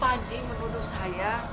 pak ji membunuh saya